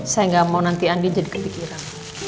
saya gak mau nanti andin jadi kepikiran